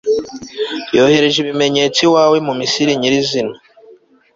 yohereje ibimenyetso iwawe mu misiri nyir'izina